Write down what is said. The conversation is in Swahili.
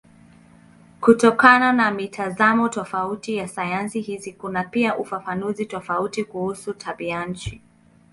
Kutokana na mitazamo tofauti ya sayansi hizi kuna pia ufafanuzi tofauti kuhusu tabianchi.